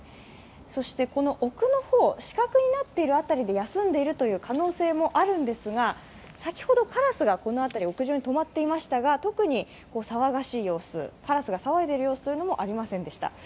そしてこの奥の方死角になっている箇所で休んでいるという情報もあるんですが、先ほどからすが、この辺り屋上にとまっていましたが特に騒がしい様子、からすが騒いでいる様子もありませんでした。